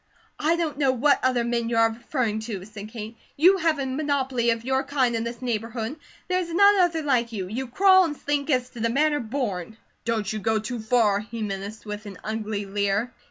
"I don't know what other men you are referring to," said Kate. "You have a monopoly of your kind in this neighbourhood; there is none other like you. You crawl and slink as 'to the manner born.'" "Don't you go too far," he menaced with an ugly leer.